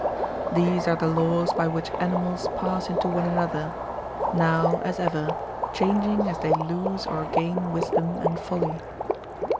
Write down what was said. These are the laws by which animals pass into one another, now, as ever, changing as they lose or gain wisdom and folly.